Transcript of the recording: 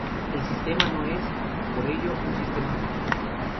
El sistema no es, por ello, un sistema wiki.